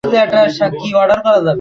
যাক্, তাঁর ইচ্ছা হয় তো কালে কালে হবে।